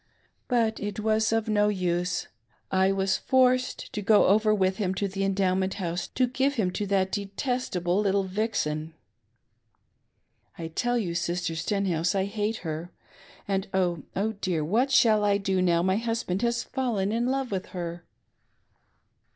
But it was of no use — I was forced to go over with him to the Endowment House to give him that detestable little vixen. I tell you. Sister Stenhouse, I hate her; and oh, oh, dear what shall I do now my husband has fallen in love with her